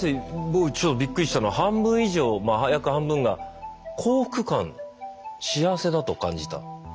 僕ちょっとビックリしたのは半分以上約半分が幸福感幸せだと感じた。